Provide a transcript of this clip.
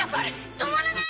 止まらない！